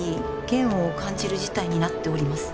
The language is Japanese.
「嫌悪を感じる事態になっております」